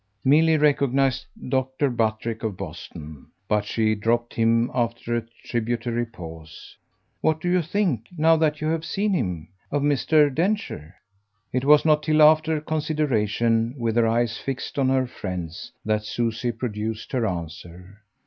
Milly recognised Dr. Buttrick of Boston, but she dropped him after a tributary pause. "What do you think, now that you've seen him, of Mr. Densher?" It was not till after consideration, with her eyes fixed on her friend's, that Susie produced her answer.